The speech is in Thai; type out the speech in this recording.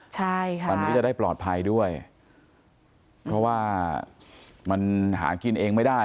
ใช่ค่ะมันก็จะได้ปลอดภัยด้วยเพราะว่ามันหากินเองไม่ได้